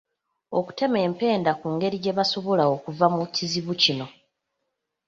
Okutema empenda ku ngeri gye basobola okuva mu kizibu kino.